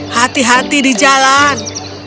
hati hati di jalan